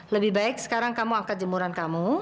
lebih baik sekarang kamu angkat jemuran kamu